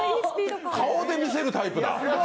顔で見せるタイプだ。